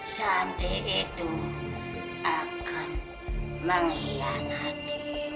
santri itu akan mengkhianati